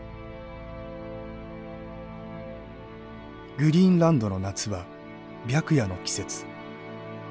グリーンランドの夏は白夜の季節。